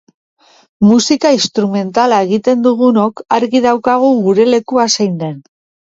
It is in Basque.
Musika instrumentala egiten dugunok argi daukagu gure lekua zein den.